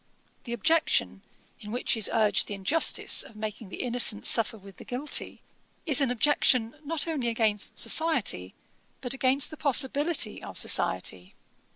The objection, in which is urged the injustice of making the innocent suffer with the guilty, is an objection not only against society, but against the possibility of society.